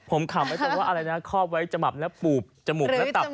ผมขำไว้ตรงว่าอะไรนะคอบไว้จมับแล้วปูบจมูกแล้วตับ